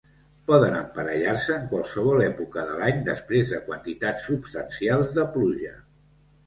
Poden emparellar-se en qualsevol època de l'any després de quantitats substancials de pluja.